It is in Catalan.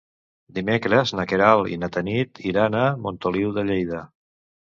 Dimecres na Queralt i na Tanit iran a Montoliu de Lleida.